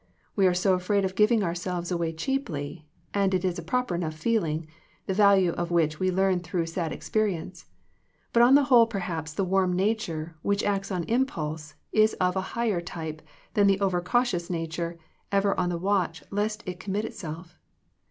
We are so afraid of giving ourselves away cheaply — ^and it is a proper enough feeling, the value of which we learn through sad experience — ^but on the whole perhaps the warm nature, which acts on impulse, is of a higher type, than the over cautious na ture, ever on the watch lest it commit itself.